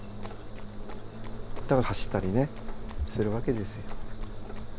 だから走ったりねするわけですよ。